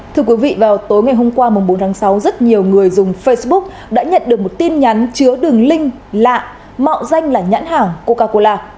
thưa quý vị vào tối ngày hôm qua bốn tháng sáu rất nhiều người dùng facebook đã nhận được một tin nhắn chứa đường link lạ mạo danh là nhãn hàng coca cola